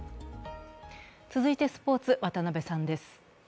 続いてスポーツ、渡部さんです。